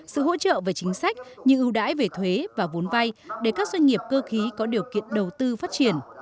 sự hỗ trợ về chính sách như ưu đãi về thuế và vốn vay để các doanh nghiệp cơ khí có điều kiện đầu tư phát triển